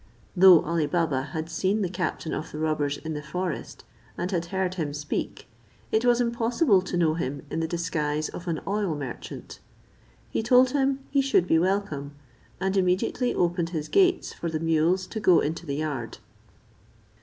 Though Ali Baba had seen the captain of the robbers in the forest, and had heard him speak, it was impossible to know him in the disguise of an oil merchant. He told him he should be welcome, and immediately opened his gates for the mules to go into the yard.